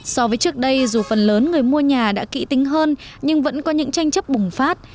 so với trước đây dù phần lớn người mua nhà đã kỹ tính hơn nhưng vẫn có những tranh chấp bùng phát